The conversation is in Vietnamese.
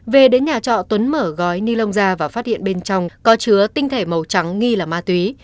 về đến nhà trọ tuấn mở gói ni lông ra và phát hiện bên trong có chứa tinh thể màu trắng nghi là ma túy